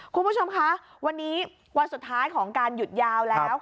คุณผู้ชมคะวันนี้วันสุดท้ายของการหยุดยาวแล้ว